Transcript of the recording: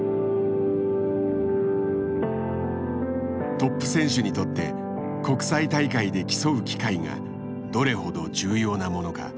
トップ選手にとって国際大会で競う機会がどれほど重要なものか。